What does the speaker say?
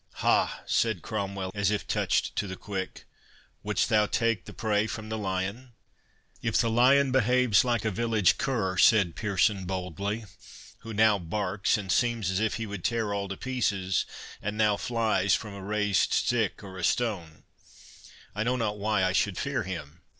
"Ha!" said Cromwell, as if touched to the quick, "wouldst thou take the prey from the lion?" "If the lion behaves like a village cur," said Pearson boldly, "who now barks and seems as if he would tear all to pieces, and now flies from a raised stick or a stone, I know not why I should fear him.